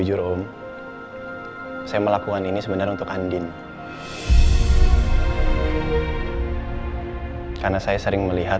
yang baik baik saja